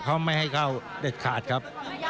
เขาไม่ให้เข้าเด็ดขาดครับ